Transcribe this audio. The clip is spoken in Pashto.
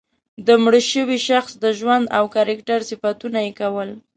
د مړه شوي شخص د ژوند او کرکټر صفتونه یې کول.